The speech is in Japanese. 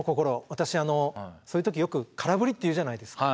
私そういう時よく空振りって言うじゃないですか。